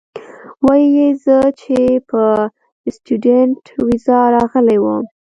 وې ئې زۀ چې پۀ سټوډنټ ويزا راغلی ووم